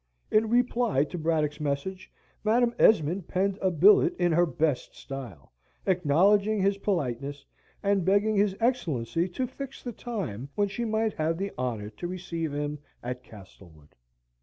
In reply to Braddock's message, Madam Esmond penned a billet in her best style, acknowledging his politeness, and begging his Excellency to fix the time when she might have the honour to receive him at Castlewood.